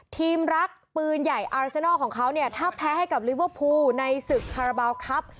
ทีมรักปืนใหญ่อาราเซนอลของเขาเนี่ยถ้าแพ้ให้กับลิเวอร์พูลในศึกคาราบาลครับ